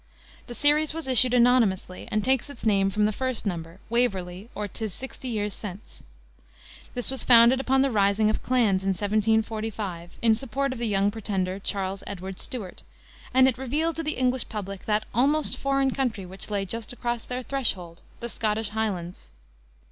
The series was issued anonymously, and takes its name from the first number, Waverley, or 'Tis Sixty Years Since. This was founded upon the rising of the clans, in 1745, in support of the Young Pretender, Charles Edward Stuart, and it revealed to the English public that almost foreign country which lay just across their threshold, the Scottish Highlands.